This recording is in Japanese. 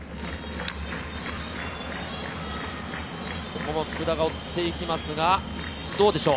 ここも福田が追っていきますがどうでしょう。